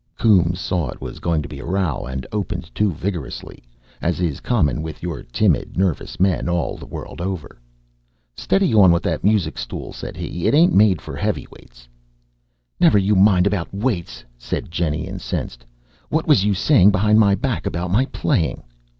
Coombes saw it was going to be a row, and opened too vigorously, as is common with your timid, nervous men all the world over. "Steady on with that music stool!" said he; "it ain't made for 'eavy weights." "Never you mind about weights," said Jennie, incensed. "What was you saying behind my back about my playing?"